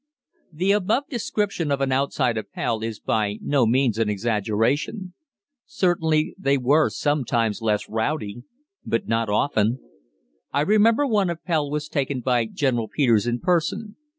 The above description of an outside Appell is by no means an exaggeration. Certainly they were sometimes less rowdy, but not often. I remember one Appell was taken by General Peters in person.